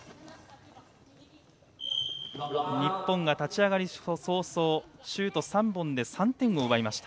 日本が立ち上がり早々シュート３本で３点を奪いました。